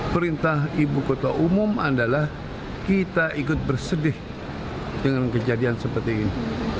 perintah ibu kota umum adalah kita ikut bersedih dengan kejadian seperti ini